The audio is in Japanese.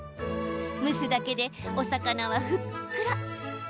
蒸すだけで、お魚はふっくら。